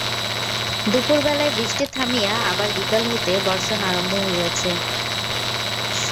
দুপুরবেলায় বৃষ্টি থামিয়া আবার বিকাল হইতে বর্ষণ আরম্ভ হইয়াছে।